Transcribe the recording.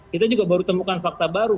kita juga baru temukan fakta baru